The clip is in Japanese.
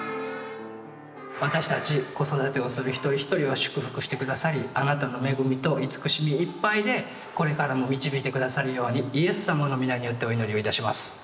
私たち子育てをする一人一人を祝福して下さりあなたの恵みと慈しみいっぱいでこれからも導いて下さるようにイエス様の御名によってお祈りをいたします。